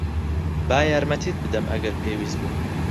با یارمەتیت بدەم، ئەگەر پێویست بوو.